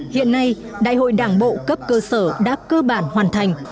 hiện nay đại hội đảng bộ cấp cơ sở đã cơ bản hoàn thành